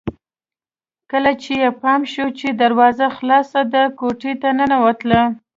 کله چې يې پام شو چې دروازه خلاصه ده کوټې ته ننوتله